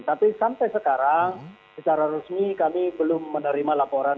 tapi sampai sekarang secara resmi kami belum menerima laporan